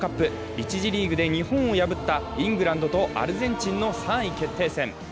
１次リーグで日本を破ったイングランドとアルゼンチンの３位決定戦。